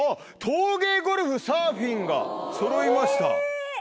陶芸ゴルフサーフィンがそろいました。